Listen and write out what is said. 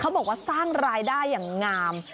บอกว่าสร้างรายได้อย่างงาม